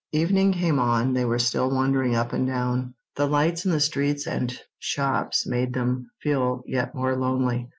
Evening came on; they were still wandering up and down. The lights in the streets and shops made them feel yet more lonely.